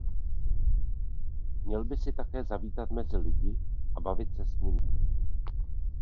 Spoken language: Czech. Měl by jsi také zavítat mezi lidi a bavit se s nimi.